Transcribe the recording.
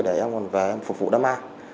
thì em còn về phục vụ đám ma